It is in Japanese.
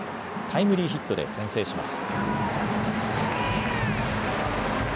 タイムリーヒットで先制します。